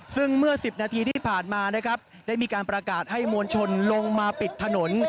ซึ่งเมื่อ๑๐นาทีที่ผ่านมานะครับได้มีการประกาศให้มวลชนลงมาปิดถนน